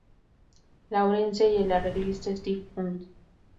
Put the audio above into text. Lawrence, y el arreglista Steve Hunt.